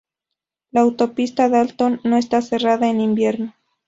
La autopista Dalton no esta cerrada en invierno.